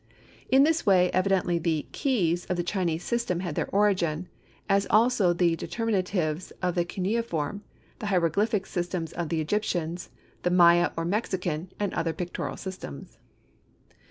In this way evidently the "keys" of the Chinese system had their origin, as also the determinatives of the cuneiform, the hieroglyphic systems of the Egyptians, the Maya or Mexican, and other pictorial systems.